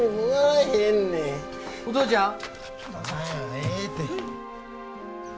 ええて。